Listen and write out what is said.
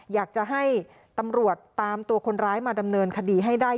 อยากจะให้ตำรวจตามตัวคนร้ายมาดำเนินคดีให้ได้